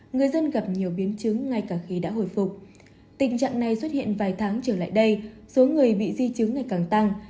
người dân gặp nhiều biến chứng ngay cả khi đã hồi phục tình trạng này xuất hiện vài tháng trở lại đây số người bị di chứng ngày càng tăng